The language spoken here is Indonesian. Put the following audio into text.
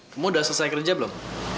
kamu sudah selesai kerja belum